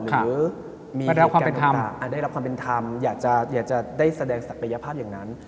หรือได้รับความเป็นธรรมอยากจะได้แสดงศักยภาพอย่างนั้น